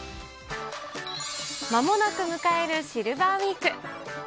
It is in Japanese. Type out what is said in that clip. まもなく迎えるシルバーウィーク。